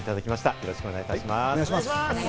よろしくお願いします。